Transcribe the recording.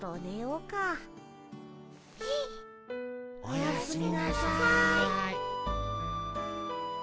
おやすみなさい。